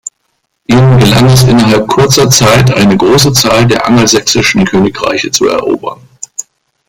Ihnen gelang es innerhalb kurzer Zeit, eine große Zahl der angelsächsischen Königreiche zu erobern.